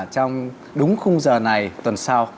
trong đúng khung giờ này tuần sau